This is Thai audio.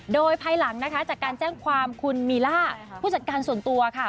โดยภายหลังนะคะจากการแจ้งความคุณมีล่าผู้จัดการส่วนตัวค่ะ